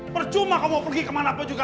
percuma kamu pergi kemana pun juga